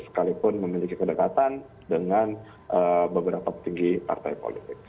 sekalipun memiliki kedekatan dengan beberapa petinggi partai politik